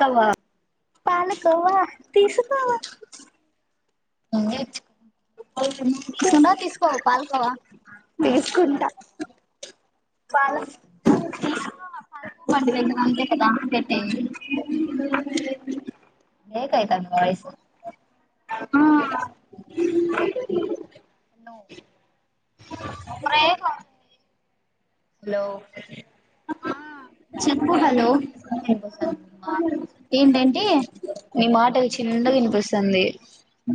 Kahwa palkova తీసుకోవా [unintelligible] తీసుకుంటవా తీసుకోవా palkova Paul అంతే కదా అంతే అంతే బ్రేక్ అయితాంది వాయిసు ఆ [inaudible] హలో ఆ చెప్పు హలో వినిపిస్తాంది నీ మాటలు ఏంటంటే నీ మాటలు చిన్నగా వినిపిస్తుంది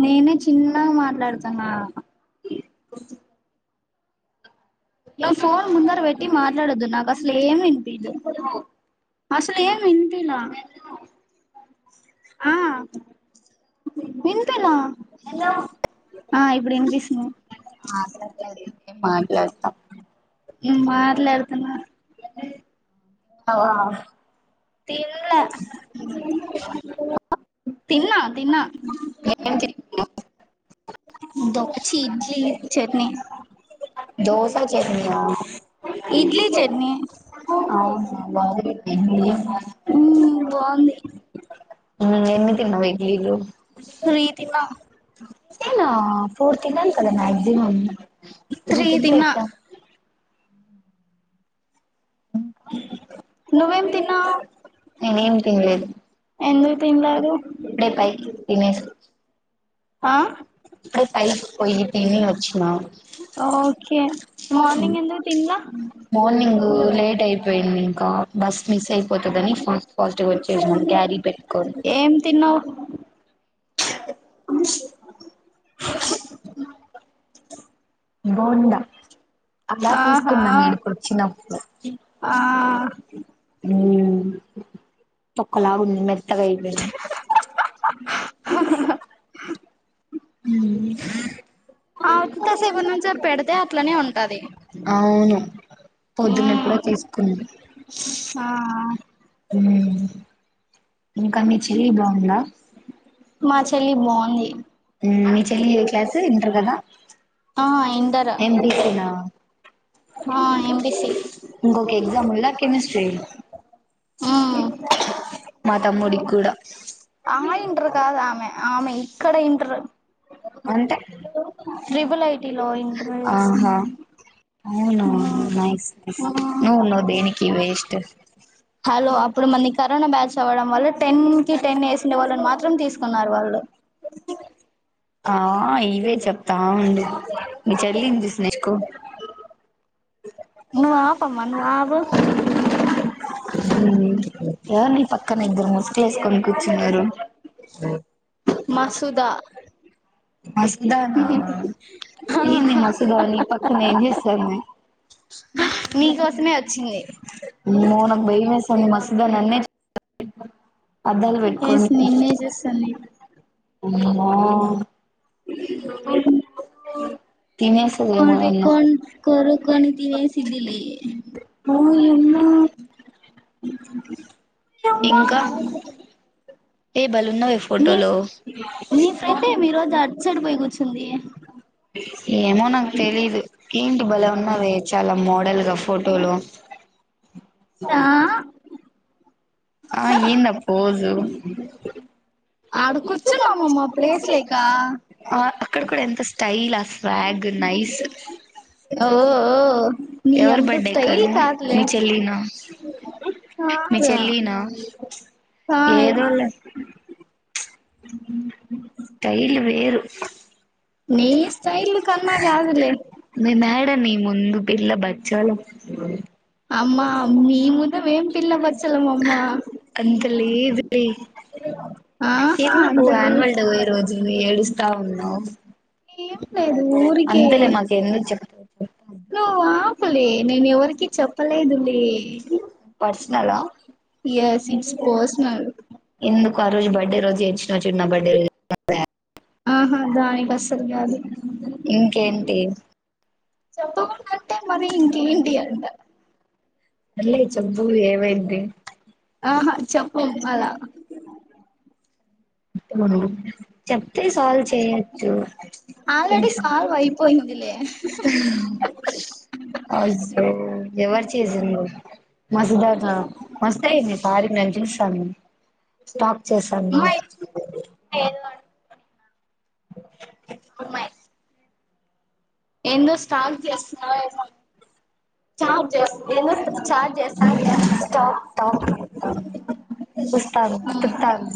నేనే చిన్నగా మాట్లాడుతన్నా ఇట్లా ఫోన్ ముందర పెట్టి మాట్లాడొద్దు నాకు అసలు ఏమి వినిపీదు. అసలు ఏం విన్పీలా ఆ విన్పీలా ఆ ఇబుడు వినిపిస్తుం మాట్లాడితే మట్లాడతాం మాట్లాడుతున్న అవునా తిన్లా తిన్నా తిన్నా దొప్ ఛీ ఇడ్లీ చట్నీ దోస చట్నీయా ఇడ్లీ చట్నీ అవునా బాగుందా ఇడ్లీ మ్మ్ బాగుంది ఉమ్ ఎన్ని తిన్నావ్ ఇడ్లీలు త్రీ తిన్నా నేనా ఫోర్ తీన్నాన్ కదా మ్యాక్జిమమ్ త్రీ తిన్ పెట్టా నువ్వేం తిన్నావ్? నేనేం తినలేదు ఎందు తిన్లేదు ఇప్పుడే పైకి తినేసి ఆ ఇప్పుడే పైకి పోయి తిని వచ్చినా ఓకే మార్నింగ్ ఎందుకు తిన్లా మార్నింగ్ లేట్ అయిపోయింది. ఇక బస్ మిస్ అయిపోతదని ఫాస్ట్ ఫాస్ట్గా వచ్చేసాం క్యారీ పెట్కోని ఏం తిన్నావ్ బోండా అలా ఆహా తీసుకున్నాం మీడికి వచ్చినప్పుడు ఆ ఉమ్ చొక్కలాగుంది అ మెత్తకైపోది హ్మ్ ఆ అంతసేపురి నుంచి పెడితే అట్లనే ఉంటది మ్మ్ పొద్దునెప్పుడో తీసుకుంది ఆ ఉమ్ ఇంకా మీ చెల్లి బాగుందా మా చెల్లి బాగుంది మీ చెల్లి ఏ క్లాస్ ఇంటర్గాదా ఆ ఇంటర్ ఆ ఎంపీసీ ఇంకొక ఉమ్ ఎగ్జామ్ ఉందా కెమిస్ట్రీ మా తమ్ముడికి కూడా ఆ ఇంటర్ కాదు ఆమె ఆమె ఇక్కడ ఇంటర్ అంటే ట్రిబుల్ ఐటీ లో ఇంటర్ చేసింది అవునా నైస్ [inaudible] నువ్వు ఉన్నావ్ దేనికినికి వేస్ట్ హలో అప్పుడు మనకి కరోనా బ్యాచ్స్ అవ్వడం వల్ల టెన్ కి టెన్ వేస్ండ వాళ్ళని మాత్రం తీసుకు న్నారు వాళ్ళు ఆ ఇవే చెప్తా ఉంది మీ చెల్లిని చూసి నేర్చుకో జ నువ్వు ఆపు అమ్మ నవ్వు అప్పు హ్మ్ ఎవర్ నీ పక్కన ఇద్దరు ముసులు వేసుకొని కూర్చున్నారు మసూదా మసదానా నను మసూదానీ పక్కన ఏమ్ చేస్తుంది నీకోసమే వచ్చింది అమ్మో నాకు బయమేసన్నది మసదా నన్నే చూ అద్దాలు పెట్టుకోని ఎస్ నిన్నే చూస్తాను అమ్మో అవును కొ తినేస్తదేమో నన్ను రికో కోరుకొని తినేసిదిలే ఓయ్యామ్మో యమ్మ ఏ బలేఉన్నావే నీ ఫోటోలో నీ ఫ్రెండేమీ ఈ రోజు అటు సైడ్ పోయి కూర్చుంది ఏమో నాకు తెలీదు ఏంటి బలే ఉన్నావే చాలా మోడల్ గా ఫోటోలు సా ఆ ఏంది ఆ పోజు ఆడ కూర్చున్నామమ్మ ప్లేస్ లేక ఆ అక్కడ కూడా ఎంత స్టైల్ ఆ ఫగ్ నైస్ ఓ ఓ నీ ఎవరు అంత బర్త్డే కి స్టైల్ అది కాదులే మీ చెెల్లినా మీ కాదు చెల్లినా కాదు ఏదోలే స్టైల్ వేరు నీ స్టైల్ కన్నా కాదులే మేము యాడ నీ ముందు పిల్ల బచ్చాలాం అమ్మా అమ్మీ నీ ముందు మేం పిల్లబచ్చలంమ్మ అంత లేదులే ఎందుకు ఆన్వల్ డే పోయ రోజు ఏడుస్తా ఉన్నావు ఏంలేదు ఊరికే అంతలే మాకు ఎందుకు చెప్తావు చెప్పు. నువ్వు ఆపలే నేను ఎవరికి చెప్ప లేదులే పర్సనలా ఎస్ ఇట్స్ పర్సనల్ ఎందుకు ఆ రోజు బర్త్డే రోజు ఏడిచినావ్ చూడు నా బర్త్డే [unintelligible] ఆహా దానికి అసలు కాదు ఇంకేంటి చెప్పకుండ అంటే మరి ఇంకేంటి అంట సర్లే చెప్పు ఏమైంది అ హా చెప్పము అలా ఉహు చెప్తే సాల్వ్ చేయచ్చు ఆల్రెడీ సాల్వ్ అయిపోయిందిలే అయ్యో ఎవరు చేసిండ్రు మాసుదాక వస్తే మస్తయింది సారికి నన్ను చూస్తాంది స్టాక్ చేస్తాంది అమ్మాయి ఏదో ఆన్ ఏందో స్టార్ట్ చేస్తున్నావేమో చాట్ చేస్త ఏందో చార్ట్ చేస్తన అంటాంది అక్క ఉస్తాన్ చెప్తాన్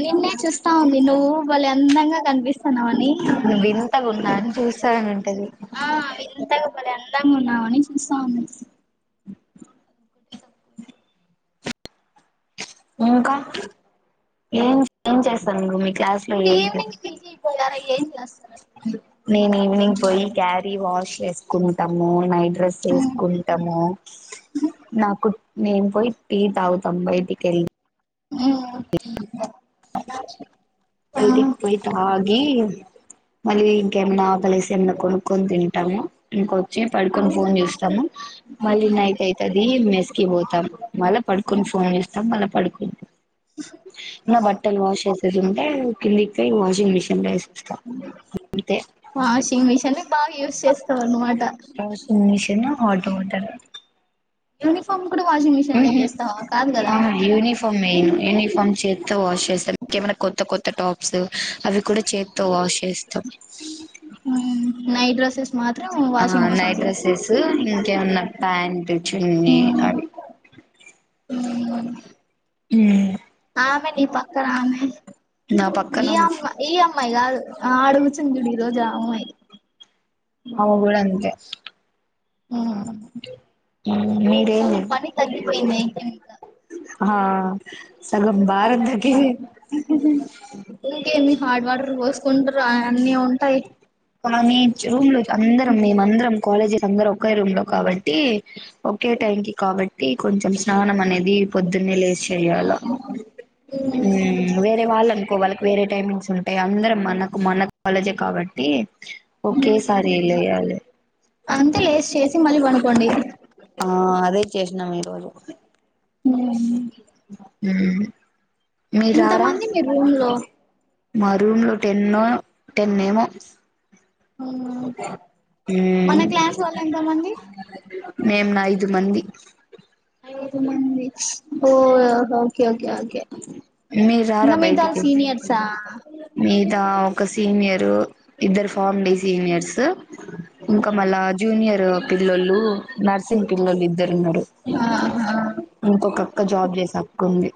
నిన్నే చూస్తా ఉంది నువ్వు బలే అందంగా కనిపిస్తన్నావని నువ్వు వింతగా ఉన్నా అని చూస్తాను ఉంటది ఆ వింతగా బలే అందంగా ఉన్నావని చూస్తా ఉంది [unintelligible] ఇంకా ఏం ఏం చేస్తంది మీ మమ్మీ ఈవినింగ్ పీజీకిపోయారా ఏం చేస్తున్నారు అసలు మీరు నేను ఈవినింగ్ పోయి క్యారీ వాష్ చేసుకుంటాము నైట్ డ్రెస్ ఏసుకుంటము నాకు నేను పోయి టీ తాగుతాం బయటికి వెళ్ళి ఉమ్ బయటికి పోయితాగి మళ్ళీ ఇంకేమైనా ఆకలేసె ఏమైనా కొనుక్కొని తింటాము ఇంకొచ్చి పడుకొని ఫోన్ చూస్తము మళ్ళీ నైట్ అయితది మెస్కి పోతాం మళ్ళా పడు కొని ఫోన్ చూస్తాం మళ్ళ పడుకుం ఇంగ బట్టలు వాష్ చేసేది ఉంటే కింది కి పోయి వాషింగ్ మిషన్ లో ఏస్ వొస్త అంతే వాషింగ్ మిషన్ బాగా యూస్ చేస్తావు అన్నమాట washing machine hot water uniform కూడా వాషింగ్ మిషన్ లోకి వేస్తావా కాదు కదా ఆహా యూనిఫామ్ వేయను యూనిఫామ్ చేత్తో వాష్ చేస్తాను ఇంకేమైనా కొత్త కొత్త టాప్స్ అవి కూడా చేత్తో వాష్ చేస్తాం నైట్ డ్రెస్సెస్ మాత్రం ఆ వాషింగ్ మిషన్ నైట్ డ్రెస్సెస్ ఏవన్న ప్యాంట్ చున్నీ అవి ఉమ్ ఆమె నీ పక్కన ఆమె నా పక్కన ఇ అమ్మా ఇ అమ్మాయి గదు ఆడగుచ్చింది చూడు ఈ రోజు ఆ అమ్మాయి ఆ పాప కూడా అంతే మ్ మీరు ఏం సగం పని తగ్గిపోయింది అయితే ఇంకా హా సగం బారం తకి ఇంకేమి హాట్ వాటర్ పోసుకుంటూ రా అన్నీ ఉంటాయి కానీ రూమ్ లో అందరం మేమందరం కాలేజీ అందరం ఒకే రూమ్ లో కాబట్టి ఓకే టైం కి కాబట్టి కొంచెం స్నానం అనేది పొద్దున్నే లేచి చెయ్యాల హు వేరే వాళ్ళు అనుకో వాళ్ళకి వేరే టైమింగ్స్ ఏ అందరం మనకు మన కాలేజే కాబట్టి ఓకే సారి లేయాలి అంతే లేస్ చేసి మళ్ళీ పనుకోండి ఆ అదే చేసినాం ఈరోజు ఉ మ్ ఉమ్ మీరు రారా మంది మీ రూమ్ లో మా రూమ్ లో ఎన్నో టెన్నేమో మ్ మన క్లాస్ వాళ్ళు ఎంతమంది మేం ఐదు మంది ఐదు మంది ఓ ఓకే ఓకే ఓకే ఇంగ మీరారా మిగతా వాళ్ళు బయటికి సీనియర్సా మీదా ఒక సీనియర్ ఇద్దరు ఫామ్ డి సీనియర్స్ ఇంకా మళ్ళా జూనియర్ పిల్లొలు నర్సింగ్ పిల్లొలు ఇద్దరు ఉన్నారు ఆ ఆ ఒక అక్క జాబ్ చేసే అక్క ఉంది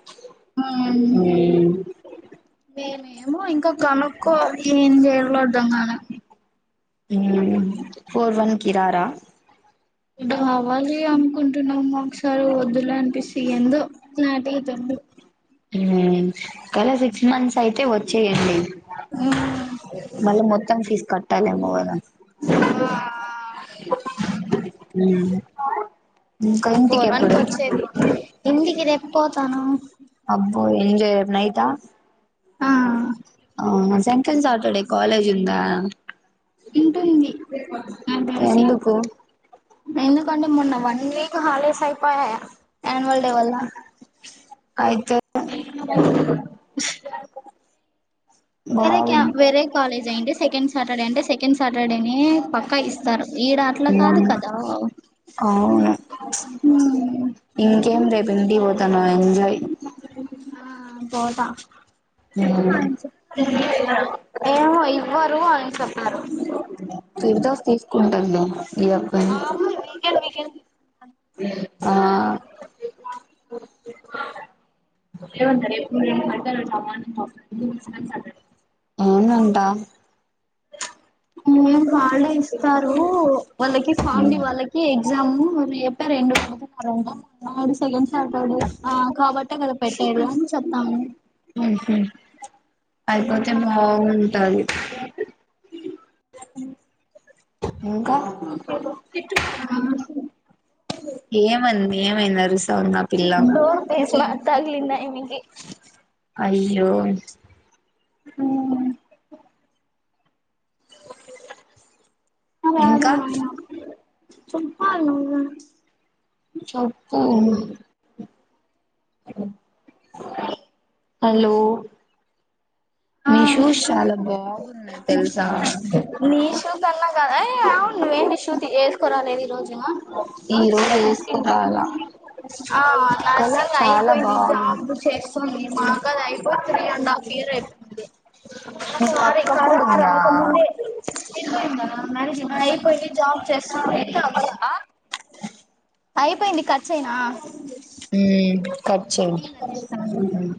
ఉమ్ హుమ్మ్ మేము ఇంకా కనుకోవాలి ఏం చేయలో అర్థం కాలే హ్మ్మ్ ఫోర్ వన్ కి రారా రావాలి అనుకుంటున్నాము ఒకసారి వద్దులే అనిపిస్తు ఎందో లాంటిదడు హుమ్మ్ కాల సిక్స్ మంత్స్ యితే అయితే వచ్చేయండి మళ్ళీ మొత్తం ఫీజు కట్టాలేమో కదా ఉమ్ ఫోర్ వన్ కి వచ్చేది ఇంటికి రేపు పోతాను నైత ఆ ఆ సేసెంట్ సాటర్డే కాలేజ్ జిందా ఉంటుంది నాకు తెలిసి ఎందుకు ఎందుకంటే మొన్న వన్ వీక్ హాలిడేస్ అయిపోయాయా అనువల్ డే వల్ల అయితే వేరే బాగు క వేరే కాలేజ్ అయిే సెకండ్ సాటర్డే అంటే సెకండ్ సాటర్డే ని పక్కా ఇస్తారు ఈడ అట్లా కాదు మ్ కదా అవును హ్మ్మ్ ఇంకేం రేపు ఇంటికి పోతాను ఎంజాయ్ ఆ పోతా మ్ ఏమో ఇవ్వరు అని చే ఫిర్దస్ తీసుకుంటంద ఈయాప్ప ఆ అమ్మాయి వీకెండ్ వీకెండ్ ఆ అ ఉంట పూ [inaudible] అవునంటా హ్మ్మ్ వాళ్ళే ఇస్తారు వాళ్ళకి ఫామ్ మ్ డి వాళ్ళకి ఎగ్జామ్ రేపే రెండు రెండు పంపిస్తారంట డు సెకండ్ స్టార్ట్డు ఆ కాబట్టే కదా పెట్టేది అని చెప్తాము హు అయిపోతే బాగుంటది హ్మ్మ్ ఇంకా ఏమంది ఏమైంది అరుస్ డోర్ తెరిచిన తగలింది ఆయనకి అయ్యో హ్మ్మ్ అ అద ఇంకా చెప్పాలా నువు చెప్పు హలో ఆ మీ షూస్ చాలా బాగున్నాయి తెలుసా నిషు కన్నా గా హేయ్ ఆ నువ్వేండిషూ చేసుకోరాలేదు ఈ రోజు ఏమో ఈ రోజు ఇసుకొనిరావల ఆ నర్సింగ్ అయిపోయింది బాగుంది జాబ్ చేస్తుంది మాకాది అయిపోయి త్రీ అండ్ ఆఫ్ హీరో అయిపోంది అ మీ సారీ కక్క కూడా కరోనా ఉందా రాకముందే అయిపోయిందా మేనేజింగ్ ఐపోయింది జాబ్ చేస్తుంది ఇంకా అవ్వలా అయిపోయింది కట్ చేయనా హ్మ్మ్ కట్ చెయ్ నేను కట్ చేస్తాను హ్మ్మ్